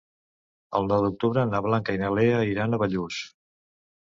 El nou d'octubre na Blanca i na Lea iran a Bellús.